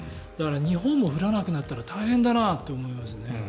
日本も降らなくなったら大変だなって思いますね。